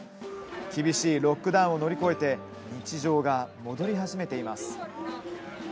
厳しいロックダウンを乗り越えて日常が戻り始めています。